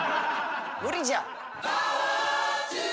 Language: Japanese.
無理じゃ！